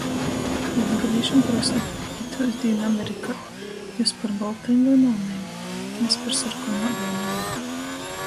Latgalīšam prosa: - Itūs dīnu Amerikā jius par boltajim voi malnajim? Mes par sorkonuodainajim...